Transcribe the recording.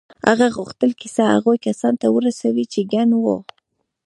هغه غوښتل کیسه هغو کسانو ته ورسوي چې کڼ وو